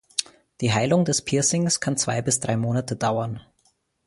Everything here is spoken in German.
Die Heilung des Piercings kann zwei bis drei Monate dauern.